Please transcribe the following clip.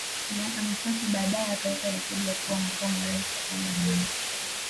Miaka michache baadae akaweka rekodi ya kuwa makamu wa Rais wa kwanza mwanamke